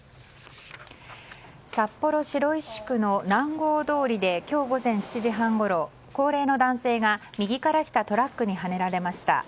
札幌白石区の南郷通で今日午前７時半ごろ高齢の男性が右から来たトラックにはねられました。